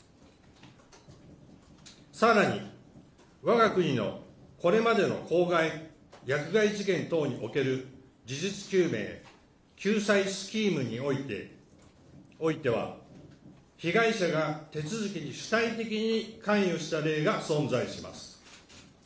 さらにわが国のこれまでの公害、薬害事件等における事実究明、救済スキームにおいては、被害者が手続きに主体的に関与した例が存在します。